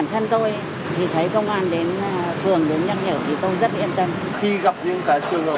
tôi thì thấy công an đến thường đến nhắc hiểu thì tôi rất yên tâm